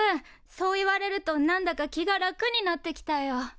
そう言われると何だか気が楽になってきたよ。